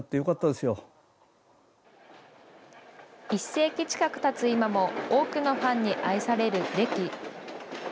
１世紀近くたつ今も、多くのファンに愛されるデキ。